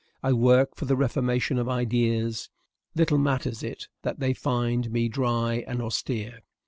I work for the reformation of ideas. Little matters it that they find me dry and austere.